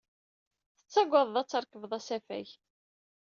Tettagaded ad trekbed asafag.